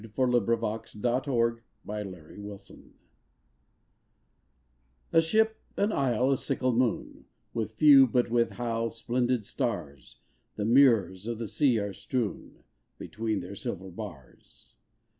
174 A Ship^ an Isle, a Sickle Moon A ship, an isle, a sickle moon — With few but with how splendid stars The mirrors of the sea are strewn Between their silver bars